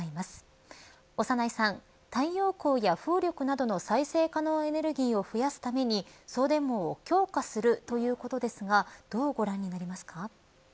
さん太陽光や風力などの再生可能エネルギーを増やすために、送電網を強化するということですがどうご覧になりますか。